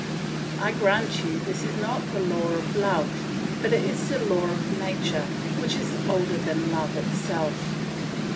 I grant you this is not the law of love, but it is the law of nature, which is older than love itself.